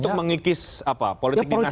untuk mengikis apa politik dinasti maksud anda